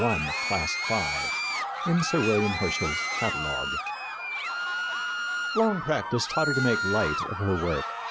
1, Class V, in Sir William Herschel's catalogue. Long practice taught her to make light of her work.